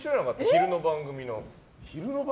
昼の番組の。